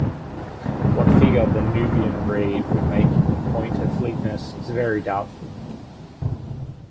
What figure the Nubian breed would make in point of fleetness is very doubtful.